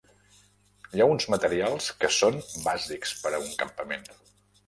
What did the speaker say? Hi ha uns materials que són bàsics per a un campament.